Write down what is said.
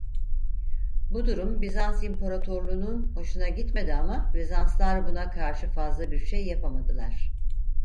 Bu durum Bizans İmparatorluğu'nun hoşuna gitmedi ama Bizanslar buna karşı fazla bir şey yapamadılar.